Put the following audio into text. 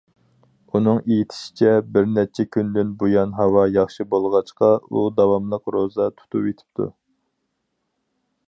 ئۇنىڭ ئېيتىشىچە، بىر نەچچە كۈندىن بۇيان ھاۋا ياخشى بولغاچقا، ئۇ داۋاملىق روزا تۇتۇۋېتىپتۇ.